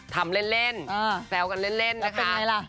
ทำเล่นเซลกันเล่นนะคะแล้วเป็นไงล่ะ